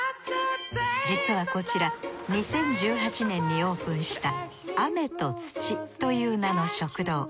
実はこちら２０１８年にオープンしたあめとつちという名の食堂。